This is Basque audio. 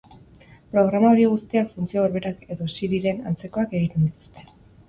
Programa horiek guztiak funtzio berberak edo Siriren antzekoak egiten dituzte.